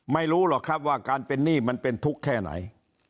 ไม่รู้หรอกครับว่าการเป็นหนี้มันเป็นทุกข์แค่ไหน